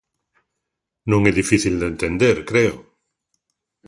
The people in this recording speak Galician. Non é difícil de entender, creo.